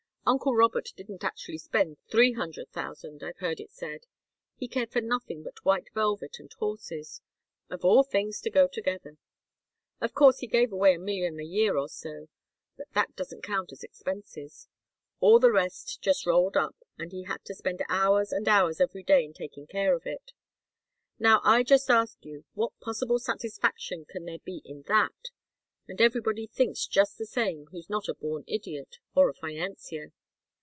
Uncle Robert didn't actually spend three hundred thousand, I've heard it said. He cared for nothing but white velvet and horses of all things to go together! Of course he gave away a million a year or so. But that doesn't count as expenses. All the rest just rolled up, and he had to spend hours and hours every day in taking care of it. Now, I just ask you, what possible satisfaction can there be in that? And everybody thinks just the same who's not a born idiot or a financier.